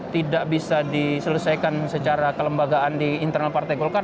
tidak bisa diselesaikan secara kelembagaan di internal partai golkar